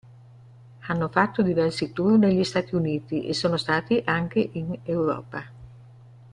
Hanno fatto diversi tour negli Stati Uniti e sono stati anche in Europa.